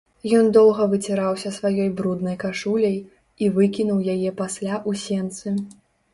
Ён доўга выціраўся сваёй бруднай кашуляй і выкінуў яе пасля ў сенцы.